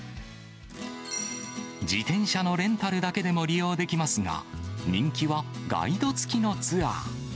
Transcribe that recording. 自転車のレンタルだけでも利用できますが、人気は、ガイド付きのツアー。